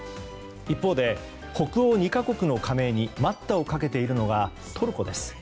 一方で北欧２か国の加盟に待ったをかけているのがトルコです。